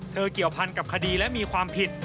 เกี่ยวพันกับคดีและมีความผิด